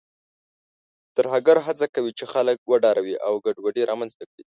ترهګر هڅه کوي چې خلک وډاروي او ګډوډي رامنځته کړي.